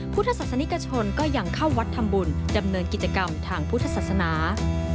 พุทธศาสนิกชนก็ยังเข้าวัดทำบุญดำเนินกิจกรรมทางพุทธศาสนา